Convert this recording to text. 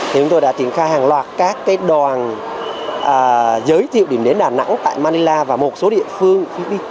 thì chúng tôi đã triển khai hàng loạt các đoàn giới thiệu điểm đến đà nẵng tại manila và một số địa phương